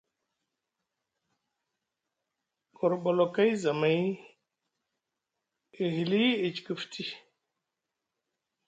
Gorɓolokay zamay e hili e ciki futi.